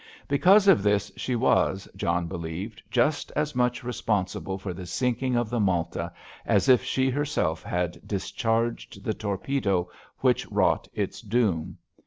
Because of this she was, John believed, just as much responsible for the sinking of the Malta as if she herself had discharged the torpedo which wrought its doom.